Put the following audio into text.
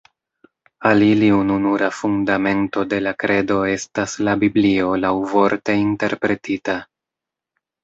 Al ili ununura fundamento de la kredo estas la Biblio laŭvorte interpretita.